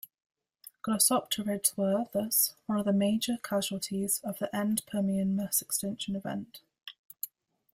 Glossopterids were, thus, one of the major casualties of the end-Permian mass extinction event.